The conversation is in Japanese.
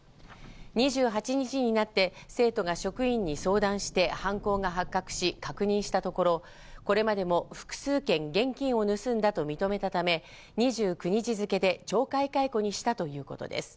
２８日になって生徒が職員に相談して犯行が発覚し、確認したところ、これまでも複数件、現金を盗んだと認めたため、２９日付で懲戒解雇にしたということです。